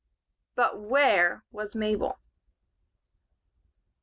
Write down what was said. But where was Mabel?